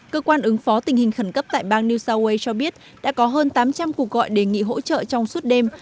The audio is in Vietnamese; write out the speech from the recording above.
cơ quan ứng phó tình hình khẩn cấp tại bang new south wales cho biết đã có hơn tám trăm linh cuộc gọi đề nghị hỗ trợ trong suốt đêm